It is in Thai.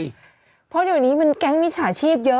เพราะเดี๋ยวนี้มันแก๊งมิจฉาชีพเยอะ